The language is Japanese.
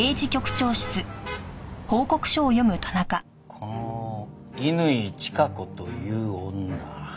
この乾チカ子という女。